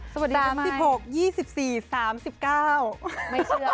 ไม่เชื่อค่ะ